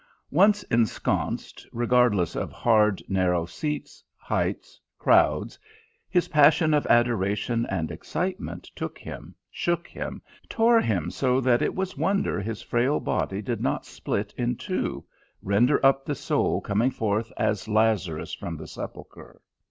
Once ensconced, regardless of hard, narrow seats, heights, crowds, his passion of adoration and excitement took him, shook him, tore him so that it was wonder his frail body did not split in two, render up the soul coming forth as Lazarus from the sepulchre.